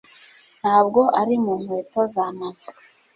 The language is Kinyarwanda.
Ntabwo ari mu nkweto za Mama.